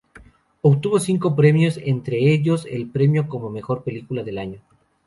Obtuvo cinco premios, entre ellos el premio como mejor película del año.